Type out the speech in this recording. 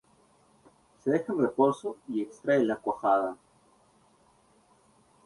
Se deja en reposo y extrae la cuajada.